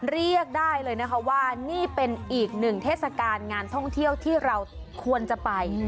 เรียกได้เลยนะคะว่านี่เป็นอีกหนึ่งเทศกาลงานท่องเที่ยวที่เราควรจะไป